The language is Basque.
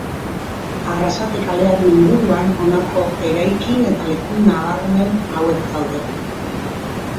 Arrasate kalearen inguruan honako eraikin eta leku nabarmen hauek daude.